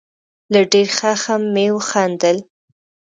له ډېر خښم مې وخندل.